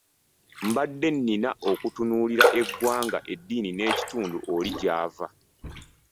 Mbadde nnina okutunuulira eggwanga, eddiini n’ekitundu oli gy’ava.